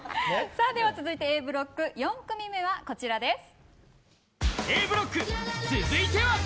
続いてＡブロック４組目はこちらです。